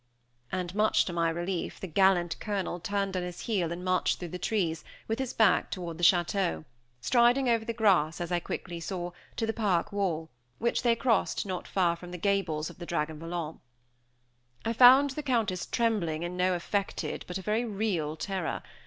And, much to my relief, the gallant Colonel turned on his heel and marched through the trees, with his back toward the château, striding over the grass, as I quickly saw, to the park wall, which they crossed not far from the gables of the Dragon Volant. I found the Countess trembling in no affected, but a very real terror.